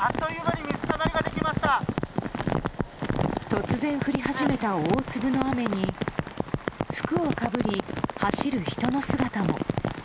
突然、降り始めた大粒の雨に服をかぶり走る人の姿も。